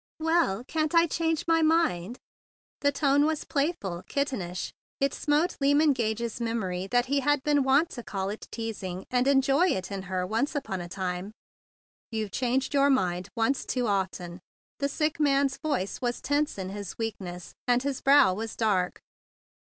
"Well, can't I change my mind?" The 168 THE BIG BLUE SOLDIER tone was playful, kittenish. It smote Lyman Gage's memory that he had been wont to call it teasing and enjoy it in her once upon a time. "You've changed your mind once too often!" The sick man's voice was tense in his weakness, and his brow was dark.